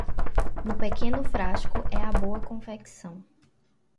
No pequeno frasco é a boa confecção.